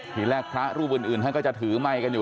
ทีแรกพระรูปอื่นท่านก็จะถือไมค์กันอยู่